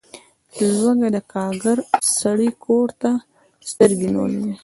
لوږه د کارګر سړي کور ته سترګې نیولي وي.